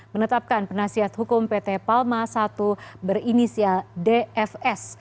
menetapkan penasihat hukum pt palma i berinisial dfs